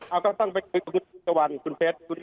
เอาก็ต้องไปคุยกับคุณสีทะวันคุณเพชร